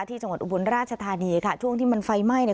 จังหวัดอุบลราชธานีค่ะช่วงที่มันไฟไหม้เนี่ย